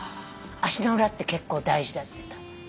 足の裏って結構大事だっつってた。